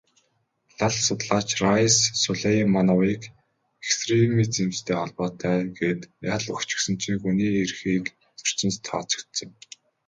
Лал судлаач Райс Сулеймановыг экстремизмтэй холбоотой гээд ял өгчихсөн чинь хүний эрхийг зөрчсөнд тооцогдсон.